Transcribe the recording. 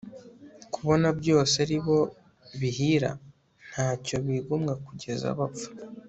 kubona byose ari bo bihira!nta cyo bigomwa kugeza bapfa